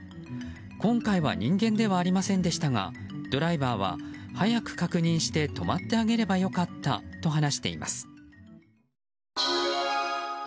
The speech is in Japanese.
今回は人間ではありませんでしたがドライバーは早く確認して止まってあげればよかったと話しています。